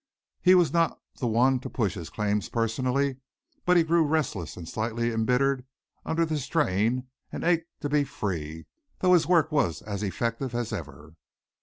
He was not the one to push his claims personally but he grew restless and slightly embittered under the strain and ached to be free, though his work was as effective as ever.